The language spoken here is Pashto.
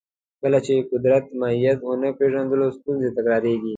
کله چې د قدرت ماهیت ونه پېژنو، ستونزې تکراریږي.